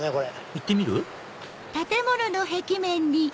行ってみる？